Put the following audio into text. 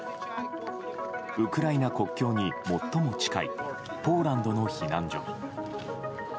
ウクライナ国境に最も近いポーランドの避難所。